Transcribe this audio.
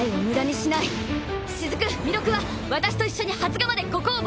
しずく弥勒は私と一緒に発芽までここを防衛。